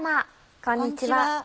こんにちは。